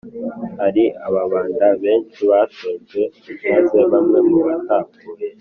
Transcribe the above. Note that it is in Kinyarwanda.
- hari ababanda benshi batotejwe, maze bamwe mu batapfuye